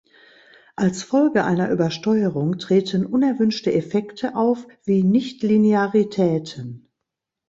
Als Folge einer Übersteuerung treten unerwünschte Effekte auf wie Nichtlinearitäten.